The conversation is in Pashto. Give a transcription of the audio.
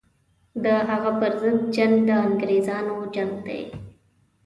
د هغه پر ضد جنګ د انګرېزانو جنګ دی.